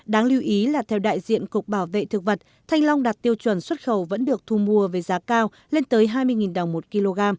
đáng lưu ý là theo đại diện cục bảo vệ thực vật thanh long đặt tiêu chuẩn xuất khẩu vẫn được thu mua với giá cao lên tới hai mươi đồng một kg